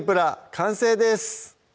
完成です